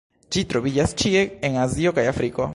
Ĝi troviĝas ĉie en Azio kaj Afriko.